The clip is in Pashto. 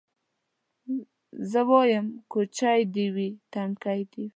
زه وايم کوچۍ دي وي نتکۍ دي وي